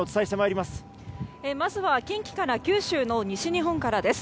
まずは近畿から九州の西日本からです。